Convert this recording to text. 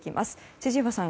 千々岩さん